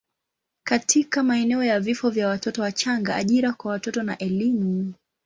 katika maeneo ya vifo vya watoto wachanga, ajira kwa watoto na elimu.